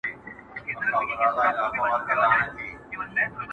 و حاکم ته سو ور وړاندي په عرضونو!.